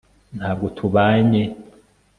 ntabwo tubanye